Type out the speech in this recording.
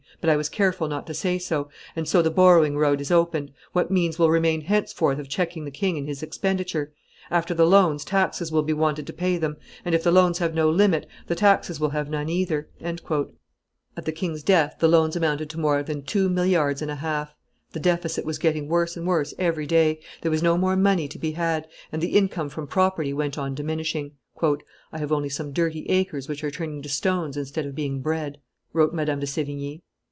But I was careful not to say so. And so the borrowing road is opened. What means will remain henceforth of checking the king in his expenditure? After the loans, taxes will be wanted to pay them; and, if the loans have no limit, the taxes will have none either." At the king's death the loans amounted to more than two milliards and a half, the deficit was getting worse and worse every day, there was no more money to be had, and the income from property went on diminishing. "I have only some dirty acres which are turning to stones instead of being bread," wrote Madame de Sevigne.